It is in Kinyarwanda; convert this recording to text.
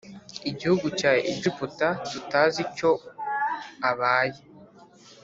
gihugu cya Egiputa tutazi icyo abaye